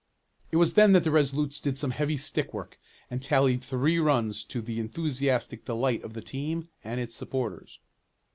It was then that the Resolutes did some heavy stick work, and tallied three runs to the enthusiastic delight of the team and its supporters.